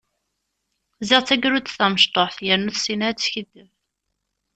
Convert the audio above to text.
Ziɣ d tagrudt tamecṭuḥt, yerna ur tessin ara ad teskiddeb.